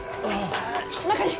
中に。